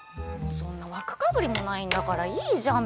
そんな枠被りもないんだからいいじゃん